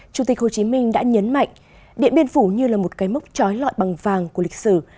chủ tịch hồ chí minh đã nhấn mạnh điện biên phủ như là một cái mốc trói lọi bằng vàng của lịch sử